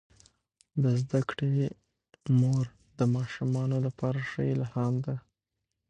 د زده کړې مور د ماشومانو لپاره ښه الهام ده.